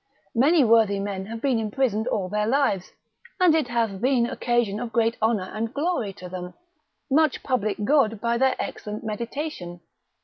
Many worthy men have been imprisoned all their lives, and it hath been occasion of great honour and glory to them, much public good by their excellent meditation.